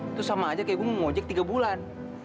itu sama aja kayak gue mau ngojek tiga bulan